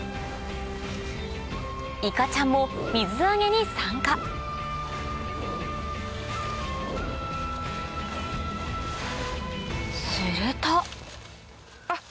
いかちゃんも水揚げに参加するとあっ！